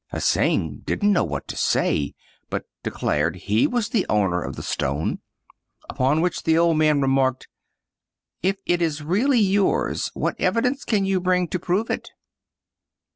Hsing didn't know what to say, but 41 Oriental Mystery Stories declared he was the owner of the stone ; upon which the old man remarked, "If it is really yours, what evidence can you bring to prove it